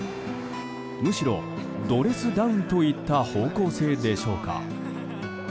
むしろドレスダウンといった方向性でしょうか。